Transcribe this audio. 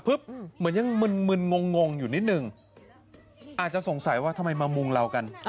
เหมือนยังมึนงงอยู่นิดนึงอาจจะสงสัยว่าทำไมมามุงเรากัน